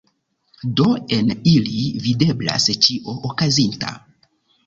Do en ili videblas ĉio okazinta!